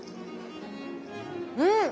うん！